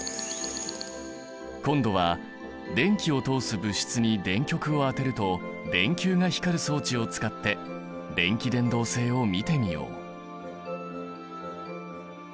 今度は電気を通す物質に電極を当てると電球が光る装置を使って電気伝導性を見てみよう。